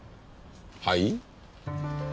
はい？